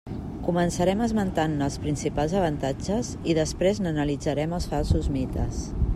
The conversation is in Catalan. Començarem esmentant-ne els principals avantatges i després n'analitzarem els falsos mites.